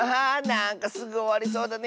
なんかすぐおわりそうだね